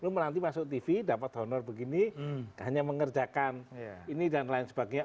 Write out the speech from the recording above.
lu melantik masuk tv dapat honor begini hanya mengerjakan ini dan lain sebagainya